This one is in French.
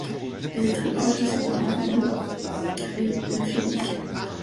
Elle est très proche de ses parents dont elle est la fille unique.